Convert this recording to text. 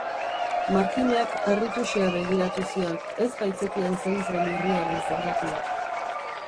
Markinak harrituxea begiratu zion, ez baitzekien zein zen irriaren zergatia.